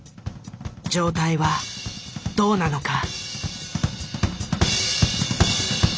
状態はどうなのか？